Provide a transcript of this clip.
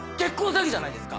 詐欺じゃないですか？